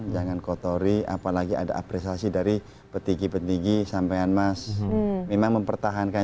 jangan kotori apalagi ada apresiasi dari petinggi petinggi sampean mas memang mempertahankan